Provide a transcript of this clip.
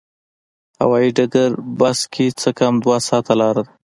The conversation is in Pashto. هوایي ډګره بس کې څه کم دوه ساعته لاره ده.